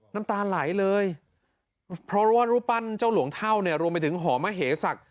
น้ำตาไหลเลยเพราะว่ารูปปั้นเจ้าหลวงเท่าเนี่ยรวมไปถึงหอมเหสัก